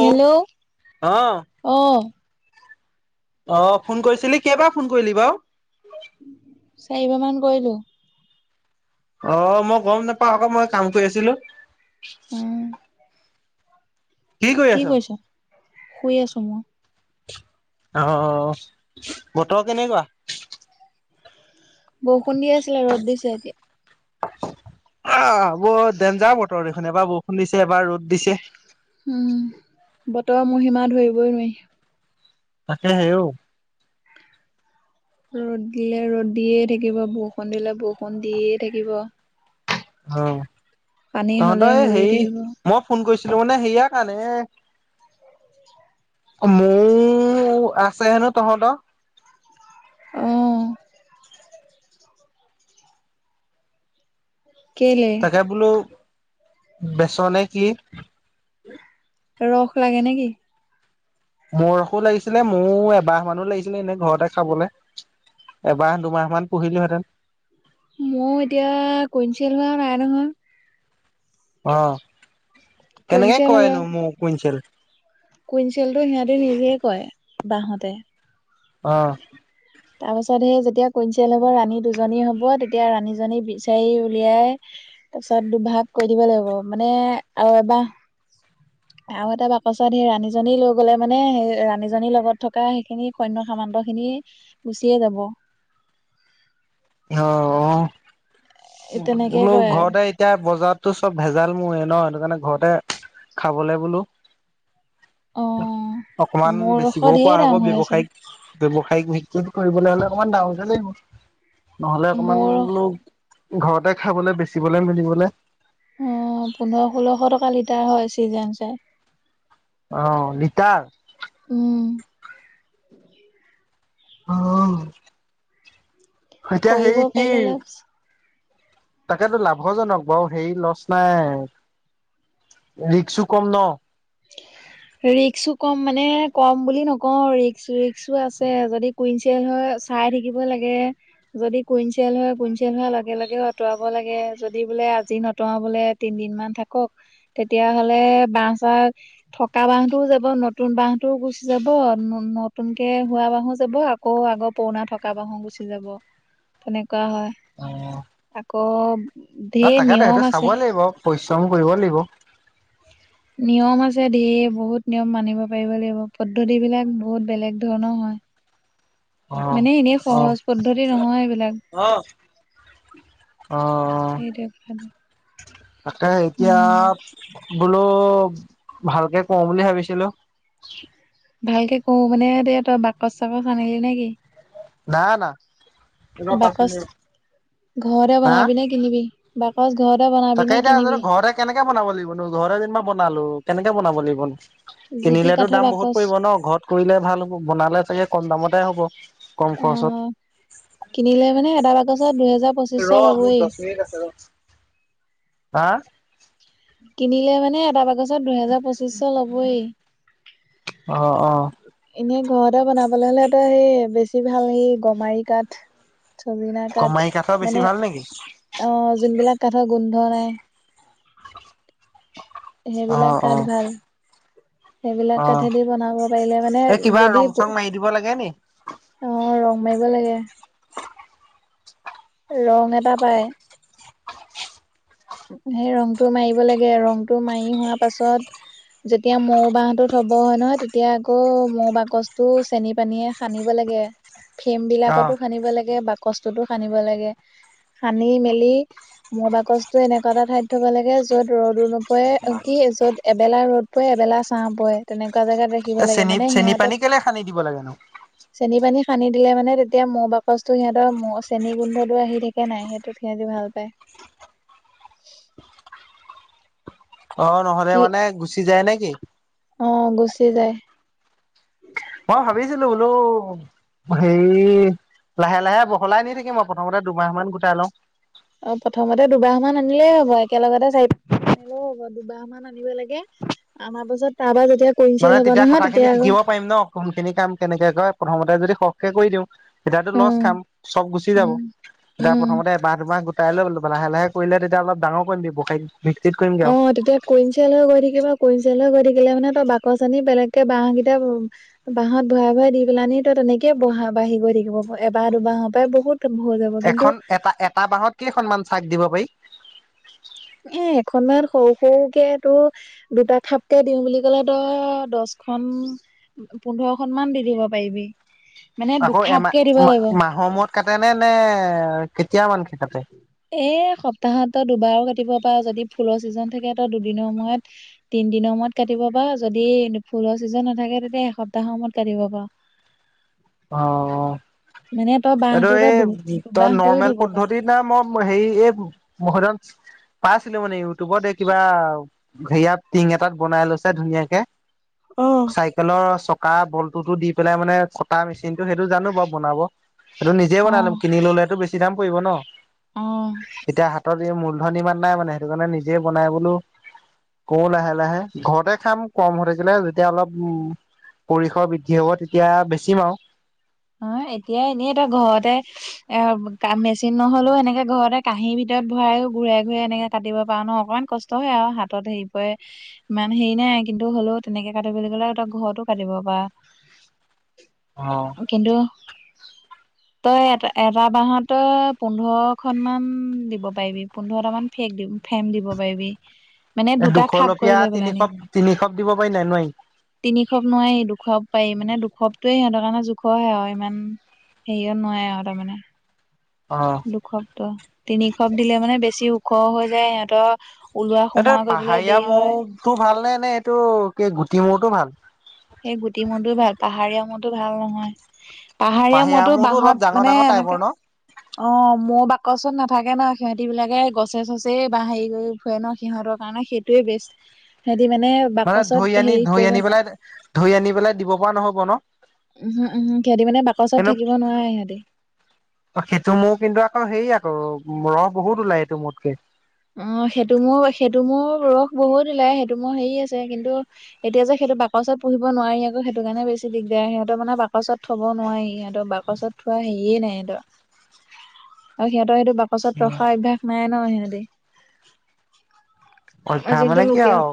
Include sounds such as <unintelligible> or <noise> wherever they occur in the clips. Hello, অ। অ, phone কৰিছিলি কেই বাৰ ফোন কৰিলি বাৰু? চাৰিবাৰ মান কৰিলো। অ, মই গম নাপাওঁ আকৌ মই কাম কৰি আছিলো। অ। কৰি কি আছ কৰিছ শুই আছো মই। অ, বতৰ কেনেকুৱা? বৰষুণ দি আছিলে ৰ'দ দিছে এতিয়া। অ বৰ ডেঞ্জাৰ বতৰ দেখন, এবাৰ বৰষুণ দিছে এবাৰ ৰ'দ দিছে। উম বতৰৰ মহিমা ধৰিবই নোৱাৰি। তাকে সেঔ ৰ'দ দিলে ৰ'দ দিয়ে থাকিব, বৰষুণ দিলে বৰষুণ দিয়ে থাকিব। অ পানী তহঁতৰ হ'লে এই হৈয়ে হেৰি থাকিব। মই ফোন কৰিছিলো মানে, হেয়া কাৰণে এ মোৰ আছে হেনো তহঁত? অ। কেলে? এয়া- বোলো বেচ নে কি? ৰস লাগে নে কি? মৌ ৰসো লাগিছিলে, মৌ এবাহ মানো লাগিছিলে, এনে ঘৰতে খাবলৈ। এমাহ-দুমাহ মান পুহিলো হেতেন। মৌ এতিয়া কুইনচেল হোৱা নাই নহয়। অ। কেনেকে কুইনচেল হ'লে কৰেনো মৌ কুইণ্টেল কুইনচেলটো সিহঁতি নিজে কয় বাহতে। অ। তাৰ পাছত হেই যেতিয়া কুইনচেল হ'ব, ৰাণী দুজনী হ'ব, তেতিয়া ৰাণীজনী বিচাৰি উলিয়াই তাৰপিছত দুভাগ কৰি দিব লাগিব। মানে আৰু এবাহ আৰু এটা বাকচত সেই ৰাণীজনী লৈ গ'লে মানে সেই ৰাণীজনীৰ লগত থকা সেইখিনি সৈন্য সামান্ত খিনি গুচিয়ে যাব। অ তেনেকে বোলো কয় ঘৰতে এতিয়া বজাৰতো চব ভেজাল মৌয়ে ন, সেইটো কাৰণে ঘৰতে খাবলে বোলো অ অকমান মোৰ ৰসত বেচিবও ঢেৰ পৰা দাম হ'ব হৈ আছে ব্যবসায়িক ব্যৱসায়িক ভিক্তিত কৰিবলৈ হ'লে অকমান ডাঙৰকে লাগিব। নহ'লে অকমান মোৰ অ বুলো ঘৰতে খাবলে, বেচিবলে, মিলিবলে, অ পোন্ধৰ-ষোল্লশ টকা লিটাৰ হয় চিজেন চাই। অ লিটাৰ? উম। অ এতিয়া কৰিব হেই কি পাৰিলে লাভ আছে। তাকেতো লাভজনক বাৰু। হে লচ নাই, ৰিক্সো কম ন। ৰিক্সো কম মানে কম বুলি নকও আৰু ৰিক্স ৰিক্সো আছে, যদি কুইনচেল হয় চাই থাকিব লাগে। যদি কুইনচেল হয়, কুইনচেল হোৱাৰ লগে লগে আঁতৰাব লাগে। যদি বোলে আজি নতৰাও বোলে তিনদিন মান থাকক। তেতিয়াাহ'লে বাঁহ-চাহ থকা বাঁহটোও যাব। নতুন বাঁহটোও গুচি যাব, নতুনকৈ হোৱা বাঁহো যাব, আকৌ আকৌ আগৰ পুৰণা থকা বাহো গুচি যাব, তেনেকুৱা হয়। অ। আকৌ অ ঢেৰ তাকেতো সেইটো নিয়ম আছে। চাবই লাগিব পৰিশ্ৰম কৰিব লাগিব। নিয়ম আছে ঢেৰ। বহুত নিয়ম মানিব পাৰিব লাগিব। পদ্ধতি বিলাক বহুত বেলেগ ধৰণৰ হয়। অ', মানে এনেই অ', সহজ পদ্ধতি নহয় এইবিলাক। অ', অ সেইটোৱে কথাটো। তাকে এতিয়া উম, বোলো ভালকে কৰো বুলি ভাবিছিলো। ভালকে কৰো মানে এতিয়া তই বাকচ-চাকচ আনিলি নেকি? না না ৰ পাঁচ বাকচ মিনিট ঘৰতে হা বনাবি নে কিনিবি? বাকচ ঘৰতে বনাবি তাকে নে এতিয়া কিনিবি? ঘৰতে কেনেকে বনাব লাগিবনো? ঘৰ যেনিবা বনালো কেনেকে বনাব লাগিবনো? যি টি কিনিলেতো কাঠৰ দাম বহুত বাকচ পৰিব ন, ঘৰত কৰিলে ভাল হব, বনালে চাগে কম দামতে হ'ব। কম খৰচত অ', কিনিলে মানে এটা বাকচত দুহেজাৰ ৰ মোৰ পঁচিশশ দহ লবই। মিনিট আছে ৰ হা কিনিলে মানে এটা বাকচ ত দুহেজাৰ পঁচিশচ ল'বয়েই। অ অ এনেই ঘৰতে বনাবলৈ হ'লে তো সেই বেছি ভাল এই গমাৰি কাঠ। ছজিনা কাঠ কমাৰি কাঠৰ বেছি মানে ভাল নেকি অ' যোনবিলাক কাঠৰ গোন্ধ নাই অ সেইবিলাক অ কাঠ ভাল। সেইবিলাক অ কাঠেদি বনাব পাৰিলে মানে এই কিবা যদি ৰং চং মাৰি দিব লাগে নি অ' ৰং মাৰিব লাগে, ৰং এটা পায়। সেই ৰংটো মাৰিব লাগে ৰংটো মাৰি হোৱা পাছত যেতিয়া মৌ বাহটো থব হয় নহয় তেতিয়া আকৌ মৌ বাকচটো চেনি পানীয়ে সানিব লাগে, ফেম অ বিলাকতো সানিব লাগে বাক কষ্টতো সানিব লাগে, সানি মেলি মৌ বাক ত এনেকুৱা এটা ঠাইত থব লাগে য'ত ৰ'দো নপৰে কি য'ত এবেলা ৰ'দ পৰে এবেলা ছাঁ পৰে। তেনেকুৱা জেগাত ৰাখিব এই লাগে চেনি মানে চেনি পানী সিহঁতক কেলে সানি দিব লাগে নো চেনি পানী সানি দিলে মানে তেতিয়া মৌ বাকচটো সিহঁতৰ চেনি গোন্ধটো আহি থাকে। কে নাই সেইটোত সিহঁতি ভাল পায়। অ' নহ'লে কি মানে গুচি যায় নে কি? অ' গুচি যায়। মই ভাবিছিলো বোলো হেৰি লাহে লাহে বহলাই নি থাকিম, মই প্ৰথমতে দুমাহ মান গোটাই লওঁ। অ' প্ৰথমতে দুবাহ মান আনিলেই হব একেলগতে চাৰি <unintelligible> আনিলেও হ'ব দুবাহ মান আনিব লাগে আমাৰ পিছত তাৰ পৰা যেতিয়া মানে কুইনচিয়েল হ'ব তেতিয়া নহয় কথাখিনি আকৌ শিকিব পাৰিম ন' কোনখিনি কাম কেনেকে কৰে প্ৰথমতে যদিও কৰি দিওঁ এতিয়াতো লচ উম খাম চব গুচি যাব উম এতিয়া উম প্ৰথমতে এবাহ দুবাহ কাইলৈ লাহে লাহে কৰিলে তেতিয়া অলপ ডাঙৰ কৰিম ব্যবসায় ভিত্তিত কৰিমগে অ আৰু। তেতিয়া কুইনচিয়েল হৈ গৈ থাকিব কুইনচিয়েল হৈ গৈ থাকিলে মানে তই বাকচ চানি বেলেগকে বাহ কেইটা বাহত ভৰা ভৰাই দি পেলানি তো তেনেকে বহা বাঢ়ি গৈ থাকিব এবাৰ দুবাহৰ পৰাই বহুত <unintelligible> এখন এটা, এটা বাহত কেইখনমান চাক দিব পাৰি? এ এখনমান সৰু সৰুকে তোৰ দুটা খাপকে দিওঁ বুলি ক'লে তই দহখন পোন্ধৰ খন মান দি দিব পাৰিবি। মানে আকৌ দুখাপকে দিব লাগিব এমাহ মাহৰ মূৰত কাটে নে নে কেতিয়া মান কে কাটে? এই সপ্তাহত তই দুবাৰো কাটিব পাৰ যদি ফুলৰ ছিজন থাকে তো দুদিনৰ মূৰত তিন দিনৰ মূৰত কাটিব পাৰ যদি ফুলৰ ছিজন নাথাকে তেতিয়া এসপ্তাহৰ মূৰত কাটিব পাৰ। <inaudible> অ', অ' মানে তই এইটো বাঁহটো তই এই তাৰ দুবাহ কৰিও নৰ্মেল দিব পাৰ পদ্ধতিত না মই হেৰি এই মহদন পাইছিলো মানে ইউটিউবত এই কিবা হেয়াত টিং এটাত বনাই লৈছে ধুনীয়াকে। চাইকেলৰ চকা বল্টোতো দি পেলাই মানে তাৰ মেচিনটো সেইটো জানো বাৰু বনাব সেইটো নিজে অ বনাই লম কিনি ললে টো বেছি দাম পৰিব ন। অ এতিয়া হাতত এই মূলধন ইমান নাই মানে সেইটো কাৰণে নিজে বনাই বোলো কৰো লাহে লাহে ঘৰতে খাম কম হৈ থাকিলে যেতিয়া অলপ উম পৰিসৰ বৃদ্ধি হ'ব তেতিয়া বেছিম আৰু অ' এতিয়া এনেই তই ঘৰতে এ মেচিন নহ'লেও এনেকে ঘৰতে কাঁহীৰ ভিতৰত ভৰাইও ঘূৰাই ঘূৰাই এনেকে কাটিব পাৰো ন' অকমান কষ্ট হয় আৰু হাতত হেৰি পৰে ইমান হেৰি নাই কিন্তু হ'লেও তেনেকে কাটিবলৈ ক'লে ত ঘৰতো কাটিব পাৰ। অ'। কিন্তু তই এটা, এটা বাহ তই পোন্ধৰ খন মান দিব পাৰিবি পোন্ধৰটা মান ফেক দি ফেম দিব পাৰিবি। মানে এ, দুটা খাপ কৰি দুখলপীয়া লৈ পেলানি তিনিখপ-তিনিখপ দিব পাৰি নাই, নোৱাৰি? তিনিখপ নোৱাৰি, দুখপ পাৰি মানে, দুখপটোয়ে সিহঁৰ কাৰে জো খৰ আৰু ইমান হেৰিয়ত নোৱাৰে আৰু তাৰমানে। অ'। দুখপটো, তিনিখপ দিলে মানে বেছি ওখ হৈ যায় সিহঁতৰ ওলোৱা এইটো সোমোৱা কৰিবলৈ পাহাৰীয়া দেৰি হয়। <unintelligible> ভাল নে, নে এইটো কি গুটি মৌটো ভাল? সেই গুটি মৌটোয়ে ভাল। পাহাৰীয়া মৌটো ভাল নহয়। পাহাৰীয়া পাহিয়া মৌটো মৌতো অলপ বাহত ডাঙৰ মানে, ডাঙৰ টাইপৰ এনেকে ন অ, মৌ বাকচত নাথাকে ন, সিহঁতি বিলাকে গছে-চছে বা হেৰি কৰি ফুৰে ন, সিহঁতৰ কাৰণে সেই টোৱে বেষ্ট। সিহঁতি মানে মানে বাকচত ধৰি আনি, হেৰি ধৰি কৰিব আনি নোৱাৰে পেলাই, ধৰি আনি পেলাই দিব পৰা নহ'ব ন? উমহু-উমহু। সিহঁতি মানে বাকচত থাকিব নোৱাৰে, সিহঁতি অ, সেইটো মৌ কিন্তু আকৌ হেৰি আকৌ ৰস বহুত ওলাই এইটো মৌতকে। অ, সেইটো মৌৰ, সেইটো মৌৰ ৰস বহুত ওলাই, সেইটো মৌৰ হেৰি আছে কিন্তু এতিয়া যে, সেইটো বাকচত পুহিব নোৱাৰি আকৌ, সেইটো কাৰণে বেছি দিগদাৰ। সিহঁতক মানে বাকচত থ'ব নোৱাৰি সিহঁতক বাক পাছত থোৱা হেইয়ে নাই সিহতঁৰ আৰু সিহঁতৰ সেইটো পাছত ৰখা অভ্যাস নাই ন, সিহঁতে। অভ্যাস মানে কি আও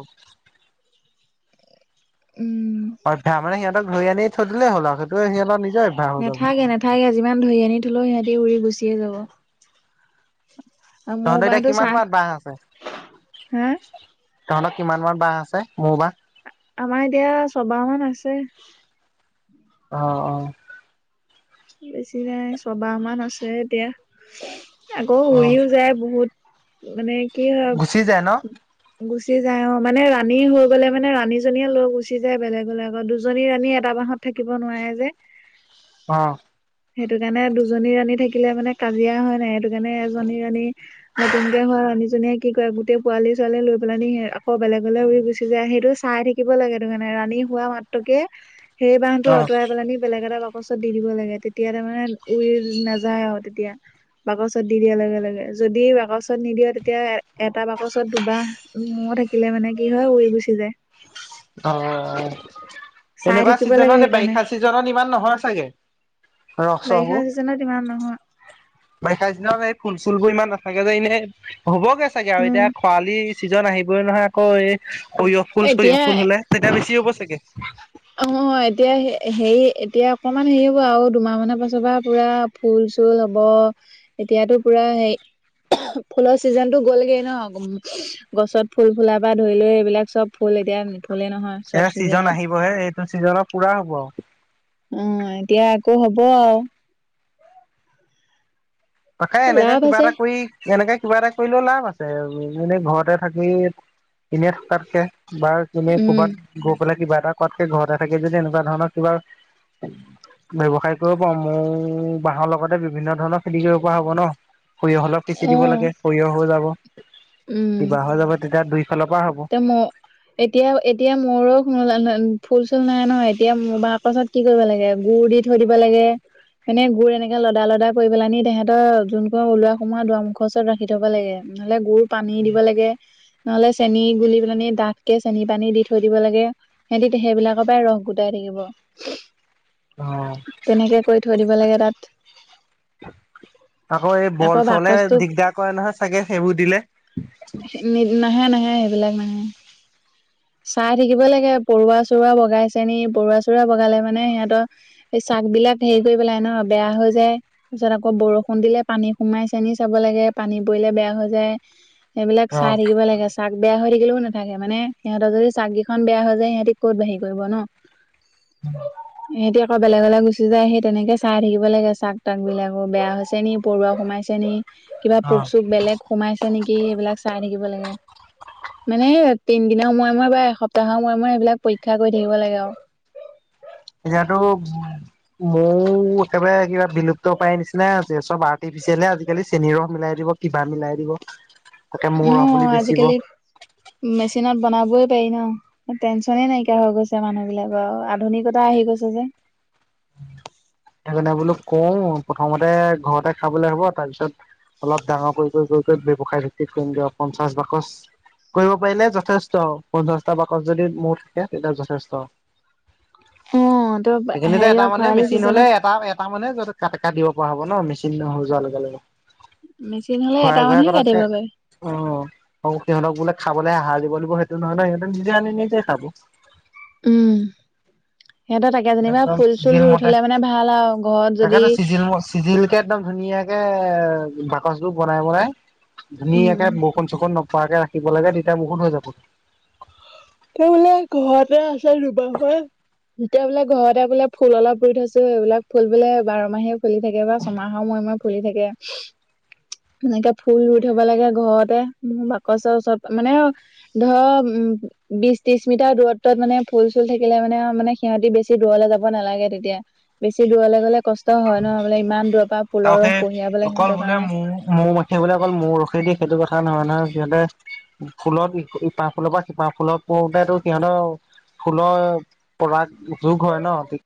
উম। অভ্যাস মানে সিহঁতক ধৰি আনি থৈ দিলে হ'ল আৰু সেইটো সিহতঁ <unintelligible> নাথাকে-নাথাকে। যিমান ধৰি আনি থ'লেও সিহঁতি উৰি গুচিয়ে যাব। আৰু মোৰ তহঁতৰ এতিয়া, বাহতো কিমান চাহ মান বাহ আছে? হা তহঁতৰ কিমান মান বাহ আছে? মৌ বাহ? আমাৰ এতিয়া, ছবাহমান আছে। অ', অ'। বেছি নাই, ছবাহমান আছে এতিয়া আকৌ, অ' উৰিও যায়। বহুত মানে কি হয় গুচি যায় ন? গুচি যায় অ, মানে ৰাণী হৈ গ'লে মানে, ৰাণীজনীয়ে লৈ গুচি যায় বেলেগলে, আকৌ দুজনী ৰাণী এটা বাহত থাকিব নোৱাৰে যে। অ'। সেইটোকাৰণে, দুজনী ৰাণী থাকিলে মানে কাজিয়া হয় নাই, সেইটো কাৰণে এজনী ৰাণী নতুনকে হোৱা ৰাণীজনীয়ে কি কৰে, গোটেই পোৱালী-ছোৱালী লৈ পেলাই নি আকৌ বেলেগলৈ উৰি গুচি যায়। সেইটো চাই থাকি থাকিব লাগে সেইটোকাৰণে ৰাণী হোৱা মাত্ৰকে সেই বাহটো অ' অঁতৰাই পেলাই নি বেলেগ এটা বাকচত দি-দিব লাগে। তেতিয়া, তাৰমানে উৰি নাযায় আৰু তেতিয়া বাকচত দি দিয়াৰ লগে-লগে। যদি, বাকচত ত, নিদিয়, তেতিয়া এটা বাকচত দুবাহ মৌ থাকিলে মানে কি হয়, উৰি গুচি যায়। অ, চাই এনেকুৱা থাকিব লাগে চিজনত, এই সেইকাৰণে বাৰিষা চিজনত ইমান নহয় চাগে? ৰস বাৰিষা চসবোৰ চিজনত ইমান নহয়। বাৰিষা দিনত এই ফুল-চুল বোৰ ইমান নাথাকে যে, এনেই হ'বগে চাগে আৰু উম এতিয়া খৰালি চিজন আহিবই নহয় আকৌ, এই সৰিয়হ ফুল চৰিয়হ এতিয়া ফুল হ'লে, তেতিয়া বেছি হ'ব চাগে। অ, এতিয়া হেৰি এতিয়া অকণমান হেৰি হ'ব আৰু দুমাহ মানৰ পাছৰ পৰা পুৰা ফুল-চুল হ'ব। এতিয়াতো, পুৰা হেই <unintelligible> ফুলৰ চিজনতটো গ'লগে ন। গছত ফুল-ফুলা পা ধৰি লৈ এইবিলাক চব ফুল এতিয়া নুফুলে নহয়। চব এইয়া চিজন চিজনত আহিবহে, এইটো চিজনত পুৰা হ'ব আৰু! অ', এতিয়া, আকৌ হব আৰু! তাকেই, এনেকে লাভ কিবা আছে এটা কৰি, এনেকে কিবা এটা কৰিলেও লাভ আছে, এনেই -এনেই ঘৰতে থাকি এনেই থকাতকে বা এনেই উম ক'বাত গৈ পেলাই কিবা এটা কৰাতকে, ঘৰতে থাকি যদি এনেকুৱা ধৰণৰ কিবা ব্যৱসায় কৰিব পাৰো, মৌ বাঁহৰ লগতে বিভিন্ন ধৰণৰ খেতি কৰিব পৰা হ'ব ন, সৰিয়হ অলপ সিঁচি অ দিব লাগে, সৰিয়হ হৈ যাব। কিবা হৈ যাব, তেতিয়া দুই ফালৰ পৰা হ'ব। মৌ এতিয়া, এতিয়া মৌৰো ফুল চুল নাই ন। এতিয়া বাকচত কি কৰিব লাগে, গুৰ দি থৈ দিব লাগে। এনেই গুৰ এনেকে লদা লদা কৰি পেলাই নি, সিহঁতৰ যোন কন ওলোৱা সোমোৱা দোৱাৰমুখৰ ওচৰত ৰাখি থ'ব লাগে। নহ'লে গুৰ পানী দিব লাগে, নহ'লে চেনি গুলি পেলানি ডাঠ কে চেনি পানী দি থৈ দিব লাগে। সিহঁতি সেইবিলাকৰ পৰাই ৰস গোটাই থাকিব। অ', তেনেকে কৰি থৈ দিব লাগে তাত আকৌ এই বৰল চৰলে দিগদাৰ কৰে নহয় চাগে, সেইবোৰ দিলে। নাহে নাহে, সেইবিলাক নাহে চাই থাকিবই লাগে, পৰুৱা চৰুৱা বগাইছে নি। পৰুৱা চৰুৱা বগালে মানে সিহঁতৰ এই চাক বিলাক হেৰি কৰি পেলাই ন, বেয়া হৈ যায়। তাৰপিছত আকৌ বৰষুণ দিলে পানী সোমাইছে নিকি চাব লাগে, পানী পৰিলে বেয়া হৈ যায়। সেইবিলাক চাই থাকিব লাগে। চাক বেয়া হৈ থাকিলেও নাথাকে মানে, সিহঁতৰ যদি চাককেইখন বেয়া হৈ যায়, সিহঁতি ক'ত বাঢাহি কৰিব ন', উম, সিহঁতি আকৌ বেলেগলে গুচি যায়, সেই তেনেকে চাই থাকিব লাগে চাক তাক বিলাকো বেয়া হৈছে নি, পৰুৱা সোমাইছে নি কিবা পোক চোক বেলেগ সোমাইছে নেকি? সেইবিলাক চাই থাকিব লাগে। মানে তিনিদিনৰ মূৰে মূৰে বা এসপ্তাহৰ মূৰে মূৰে মূৰে সেইবিলাক পৰীক্ষা কৰি থাকিব লাগে আৰু <unintelligible> মৌ একেবাৰে কিবা বিলুপ্ত পায় নিচিনা হৈছে। চব আৰ্টিফিচিয়েলে আজিকালি চেনি ৰস মিলাই দিব কিবা মিলাই দিব। তাকে মৌ ৰস বুলি অ', বেচিব আজিকালি মেচিনত বনাবই পাৰি ন', টেনচনে নাইকিয়া হৈ গৈছে মানুহ বিলাকৰ, আৰু আধুনিকতা আহি গৈছে যে সেইকাৰণে বোলো কৰোঁ, প্ৰথমতে ঘৰতে খাবলৈ হ'ব তাৰপিছত অলপ ডাঙৰ কৰি কৰি কৰি কৰি ব্যৱসায় ভিত্তিত কৰিম গে আৰু পঞ্চাশ বাকচ কৰিব পাৰিলে যথেষ্ট, পঞ্চাশটা বাকত যদি মোৰ থাকে তেতিয়া যথেষ্ট। অ', তো সেইখিনিতে এটা হেৰিয় মানে খৰালি মেচিন হ'লে চিজনত এটা এটা মানে য ক কাটিব পৰা হ'ব ন। মেচিন নহ যোৱাৰ লগে লগে মেচিন হলে এটা খোৱাই ঘুৱাই মানুহে কৰাত কাটিব কৈ পাৰে। অ', সিহঁতক বোলে খাবলৈ আহাৰ দিব লাগিব সেইটো নহয় ন। সিহঁতে নিজে আনি নিজে খাব। উম, সিহঁতৰ তাকে যেনিবা একদম ফুল চুল চিজিল ৰুই মতে থ'লে মানে ভাল আৰু ঘৰত যদি তাকেতো চিজিল কে একদম ধুনীয়াকে এ বাকচবোৰ বনাই বনাই, উম, ধুনীয়াকে ব বৰষুণ চৰষুন নপৰাকে ৰাখিব লাগে, তেতিয়া বহুত ত হৈ যাব। ত বোলে ঘৰতে আছে দুবা হ যেতিয়া বোলে ঘৰতে বোলে ফুল অলপ ৰুই থৈছোঁ, এইবিলাক ফুল বোলে বাৰ মাহে ফুলি থাকে বা ছয়মাহৰ মই মই ফুলি থাকে। এনেকে ফুল ৰুই থ'ব লাগে ঘৰতে, মানে বাকচৰ ওচৰত মানে ধৰ উম, বিশ ত্ৰিশ মিটাৰ দূৰত্বত মানে ফুল চুল থাকিলে মানে, মানে সিহঁতি বেছি দূৰলৈ যাব নালাগে তেতিয়া বেছি দূৰলৈ গ'লে কষ্ট হয় ন। বোলে ইমান দূৰৰ পৰা ফুলৰ ৰস কঢ়িয়াব লাগে সিহঁতৰ কাৰণে <unintelligible> সেইবোলে অকল মৌ ৰখি দি সেইটো কথা নহয়, নহয় সিহঁতে ফুলত ইপাহ ফুলৰ পৰা সিপা ফুলত পোতেতো সিহঁতৰ ফুলৰ পৰাগ যোগ হয় ন তে